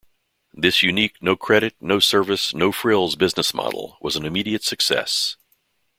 This unique no-credit, no-service, no-frills business model was an immediate success.